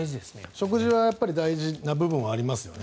食事は大事な部分はありますよね。